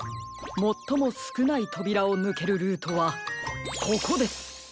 もっともすくないとびらをぬけるルートはここです！